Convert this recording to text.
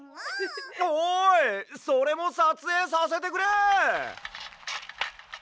おいそれもさつえいさせてくれ！